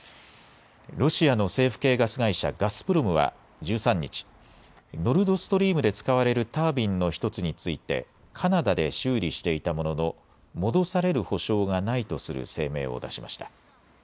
ロシアの政府系ガス会社、ガスプロムは１３日、ノルドストリームで使われるタービンの１つについてカナダで修理していたものの戻される保証がないとする声明を出しました。